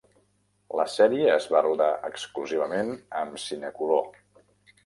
La sèrie es va rodar exclusivament amb Cinecolor.